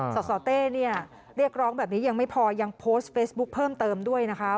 สสเต้เนี่ยเรียกร้องแบบนี้ยังไม่พอยังโพสต์เฟซบุ๊คเพิ่มเติมด้วยนะคะ